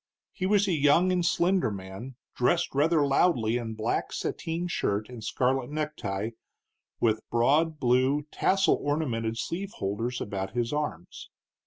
He was a young and slender man, dressed rather loudly in black sateen shirt and scarlet necktie, with broad blue, tassel ornamented sleeve holders about his arms.